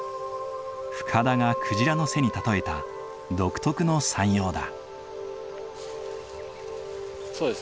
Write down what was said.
深田が鯨の背に例えた独特の山容だ。